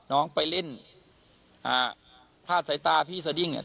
น้องไปเล่นอ่าถ้าสายตาพี่สดิ้งเนี่ย